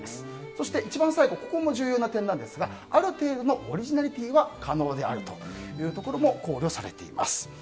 そして、一番最後ここも重要な点ですがある程度のオリジナリティーは可能であるというところも考慮されています。